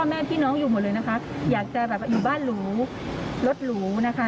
แม่พี่น้องอยู่หมดเลยนะคะอยากจะแบบอยู่บ้านหรูรถหรูนะคะ